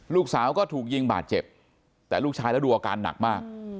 ลูกสาวก็ถูกยิงบาดเจ็บแต่ลูกชายแล้วดูอาการหนักมาก